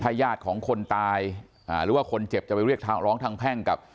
ญาติของคนตายหรือว่าคนเจ็บจะไปเรียกทางร้องทางแพ่งกับ